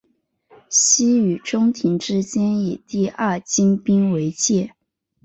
西与中延之间以第二京滨为界。